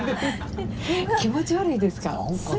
気持ち悪いですか？